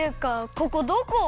ここどこ！？